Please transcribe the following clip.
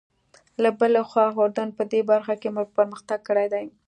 له بلې خوا اردن په دې برخه کې پرمختګ کړی دی.